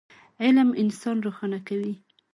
علم انسان روښانه کوي.